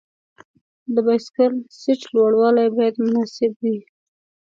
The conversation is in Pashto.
د بایسکل سیټ لوړوالی باید مناسب وي.